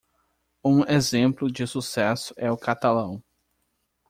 Um exemplo de sucesso é o catalão.